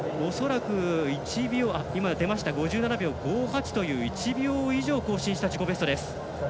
今、出て５７秒５８という１秒以上更新した自己ベストです。